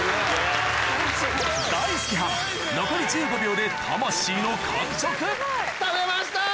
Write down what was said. ダイスケはん残り１５秒で魂の完食食べました！